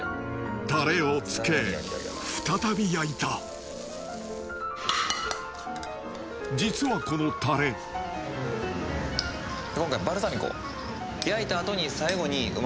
タレをつけ再び焼いた実はこのタレ今回。